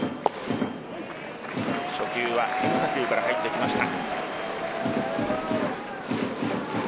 初球は変化球から入ってきました。